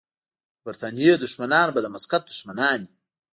د برتانیې دښمنان به د مسقط دښمنان وي.